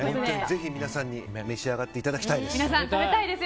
ぜひ皆さんに召し上がっていただきたいです。